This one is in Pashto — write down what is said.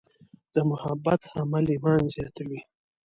د محبت عمل ایمان زیاتوي.